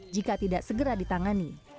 jika tidak segera ditangani